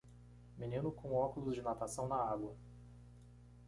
Menino com óculos de natação na água.